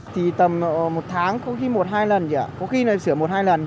thì tầm một tháng có khi một hai lần chứ ạ có khi sửa một hai lần